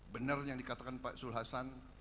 benar yang dikatakan pak zul hasan